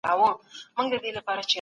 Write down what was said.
د غاښونو مسواک کول سنت عمل دی.